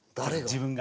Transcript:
自分が。